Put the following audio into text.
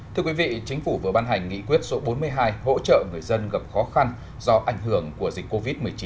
thưa quý vị chính phủ vừa ban hành nghị quyết số bốn mươi hai hỗ trợ người dân gặp khó khăn do ảnh hưởng của dịch covid một mươi chín